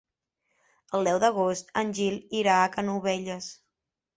El deu d'agost en Gil irà a Canovelles.